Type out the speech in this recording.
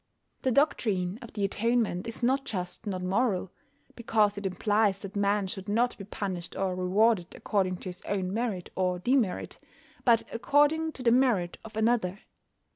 The doctrine of the Atonement is not just nor moral, because it implies that man should not be punished or rewarded according to his own merit or demerit, but according to the merit of another.